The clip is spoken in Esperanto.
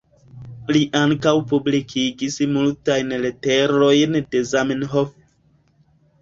Li ankaŭ publikigis multajn leterojn de Zamenhof.